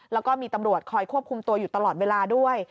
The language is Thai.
แล้วก็มีตำรวจคอยควบคุมตัวอยู่ตลอดเวลาด้วย